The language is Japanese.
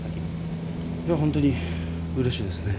本当にうれしいです。